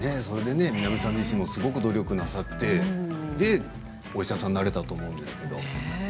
それで、南さん自身もすごく努力なさってで、お医者さんになれたと思うんですけど。